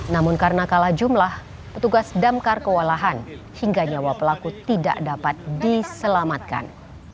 namun karena kalah jumlah petugas damkar kewalahan hingga nyawa pelaku tidak dapat diselamatkan